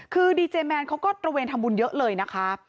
คือดีเจแมนเขาก็ตระเวนทำบุญเยอะเลยนะคะ